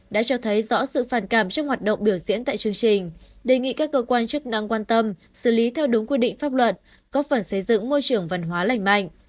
đã cho thấy rõ sự phản cảm trong hoạt động biểu diễn tại chương trình đề nghị các cơ quan chức năng quan tâm xử lý theo đúng quy định pháp luật góp phần xây dựng môi trường văn hóa lành mạnh